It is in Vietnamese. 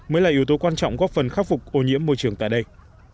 mới là yếu tố quan trọng góp phần khắc phục ô nhiễm môi trường tại đây